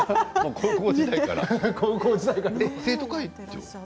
高校時代から。